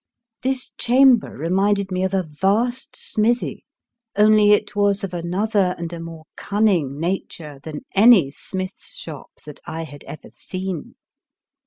This chamber reminded me of a vast smithy, only it was of another and a more cunning nature than any smith's shop that I had ever seen.